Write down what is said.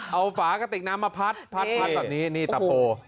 เอาฝากระติกน้ำมาพัดพัดแบบนี้นี่ตะโพ